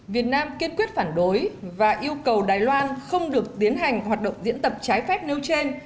việt nam kiên quyết phản đối và yêu cầu đài loan không được tiến hành hoạt động diễn tập trái phép nêu trên